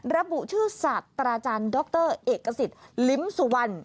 ระบุชื่อศาสตราจารย์ดรเอกสิทธิ์ลิ้มสุวรรณ